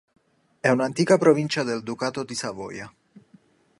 È un'antica provincia del Ducato di Savoia.